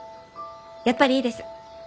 やっぱりいいです。